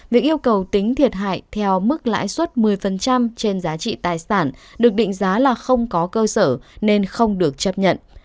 việc yêu cầu tính thiệt hại theo mức lãi suất một mươi trên giá trị tài sản được định giá là không có cơ sở nên không được chấp nhận